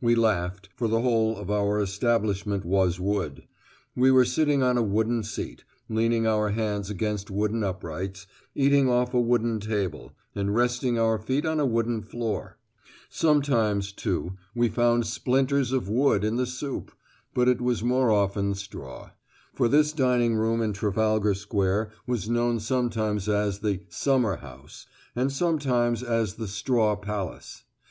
We laughed, for the whole of our establishment was wood. We were sitting on a wooden seat, leaning our hands against wooden uprights, eating off a wooden table, and resting our feet on a wooden floor. Sometimes, too, we found splinters of wood in the soup but it was more often straw. For this dining room in Trafalgar Square was known sometimes as the "Summer house" and sometimes as the "Straw Palace."